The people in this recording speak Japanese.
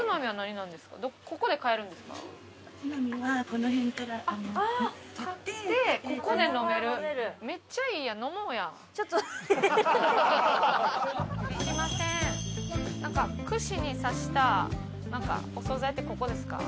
なんか串に刺したお総菜ってここですか？